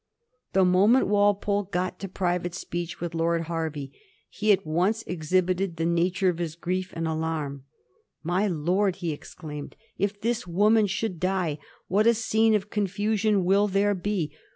The moment Walpole got to private speech with Lord Hervey, he at once exhibited the nature of his grief and alarm. " My lord," he exclaimed, " if this woman should die, what a scene of confusion will there be